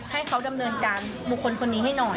ให้เขาดำเนินการบุคคลคนนี้ให้หน่อย